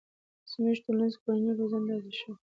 زموږ ټولنیزه او کورنۍ روزنه داسې شوي